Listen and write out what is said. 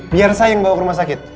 biar saya yang bawa ke rumah sakit